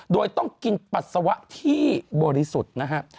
โดยต้องกินปัสสาวะที่บริสุทธิ์นะฮะ